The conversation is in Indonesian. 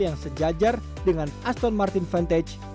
yang sejajar dengan aston martin vantage